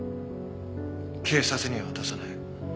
警察には渡さない。